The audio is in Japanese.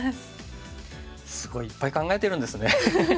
すごいいっぱい考えてるんですね。